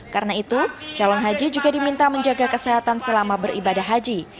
karena itu calon haji juga diminta menjaga kesehatan selama beribadah haji